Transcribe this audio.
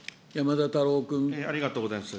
ありがとうございます。